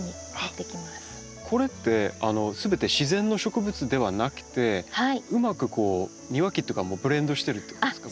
これってすべて自然の植物ではなくてうまくこう庭木とかもブレンドしてるってことですか？